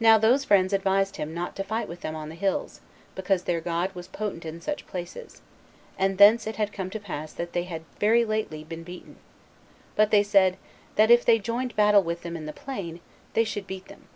Now those friends advised him not to fight with them on the hills, because their God was potent in such places, and thence it had come to pass that they had very lately been beaten; but they said, that if they joined battle with them in the plain, they should beat them.